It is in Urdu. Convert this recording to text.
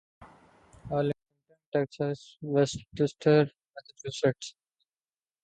Arlington Texas Westchester Massachusetts